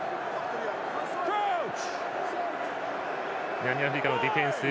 南アフリカのディフェンス。